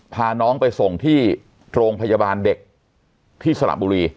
พาน้องไปส่งที่โรงพยาบาลเด็กที่สระบุรี